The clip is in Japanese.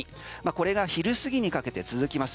これが昼過ぎにかけて続きます。